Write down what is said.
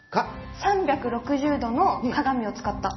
３６０度の鏡を使った。